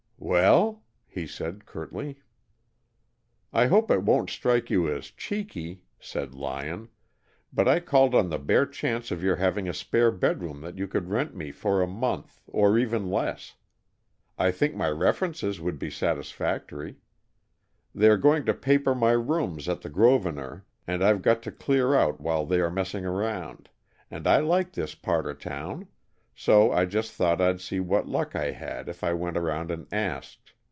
"Well?" he said curtly. "I hope it won't strike you as cheeky," said Lyon, "but I called on the bare chance of your having a spare bedroom that you could rent me for a month, or even less. I think my references would be satisfactory. They are going to paper my rooms at the Grosvenor, and I've got to clear out while they are messing around, and I like this part of town, so I just thought I'd see what luck I had if I went around and asked.